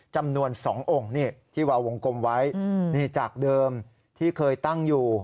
จำนวน๒องค์นี่ที่วาววงกลมไว้นี่จากเดิมที่เคยตั้งอยู่